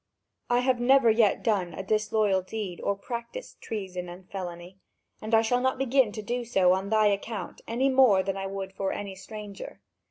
I have never yet done a disloyal deed or practised treason and felony, and I shall not begin to do so now on thy account any more than I would for any stranger.